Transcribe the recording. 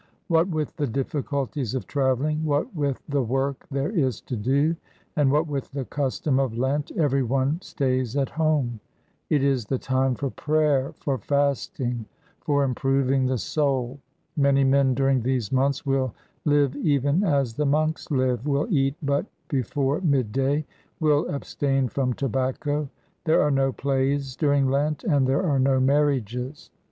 What with the difficulties of travelling, what with the work there is to do, and what with the custom of Lent, everyone stays at home. It is the time for prayer, for fasting, for improving the soul. Many men during these months will live even as the monks live, will eat but before mid day, will abstain from tobacco. There are no plays during Lent, and there are no marriages.